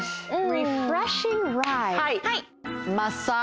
はい。